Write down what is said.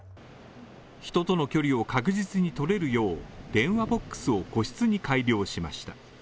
人との距離を確実に取れるよう、電話ボックスを個室に改良しました。